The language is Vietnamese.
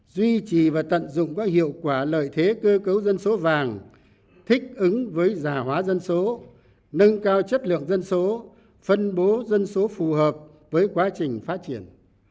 duy trì và tận dụng có hiệu quả lợi thế cơ cấu dân số vàng thích ứng với giả hóa dân số nâng cao chất lượng dân số phân bố dân số phù hợp với quá trình phát triển